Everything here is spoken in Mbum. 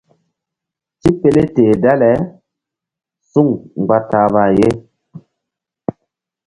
Tipele teh dale suŋ mgba ta̧hma ye.